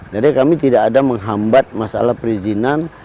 jadi kami tidak ada menghambat masalah perizinan